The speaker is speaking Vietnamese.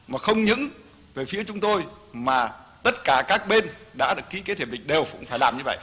mà không những về phía chúng tôi mà tất cả các bên đã được ký kết hiệp định đều cũng phải làm như vậy